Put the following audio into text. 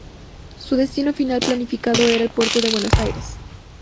Su destino final planificado era el Puerto de Buenos Aires.